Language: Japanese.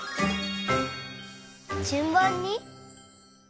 じゅんばんに？